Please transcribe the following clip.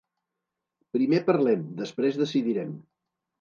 Primer parlem, després decidirem.